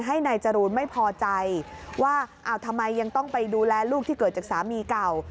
ให้นายจรูนไม่พอใจว่าอ้าวทำไมยังต้องไปดูแลลูกที่เกิดจากสามีเก่า